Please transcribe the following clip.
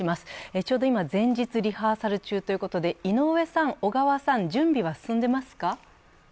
ちょうど今、前日リハーサル中ということで、井上さん、小川さん、準備は進んでいますか？